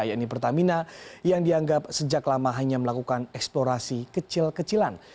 yaitu pertamina yang dianggap sejak lama hanya melakukan eksplorasi kecil kecilan